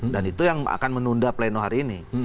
dan itu yang akan menunda pleno hari ini